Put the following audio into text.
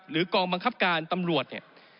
กองบังคับการตำรวจเนี่ย